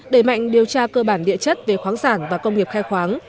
đẩy mạnh điều tra cơ bản địa chất về khoáng sản và công nghiệp khai khoáng